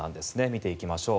見ていきましょう。